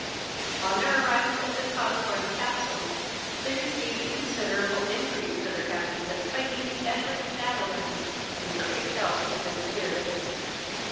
On their arrival at Fitzosbourne castle, they received a considerable increase to their happiness by meeting Edwin and Madeline in perfect health and good spirits.